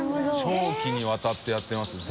長期にわたってやってますね。